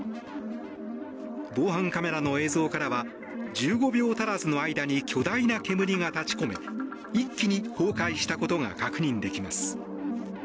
防犯カメラの映像からは１５秒足らずの間に巨大な煙が立ち込め一気に崩壊したことが確認できます。